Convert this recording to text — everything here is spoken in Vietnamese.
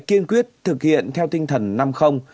kiên quyết thực hiện theo tinh thần năm